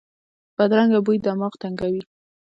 بدرنګه بوی دماغ تنګوي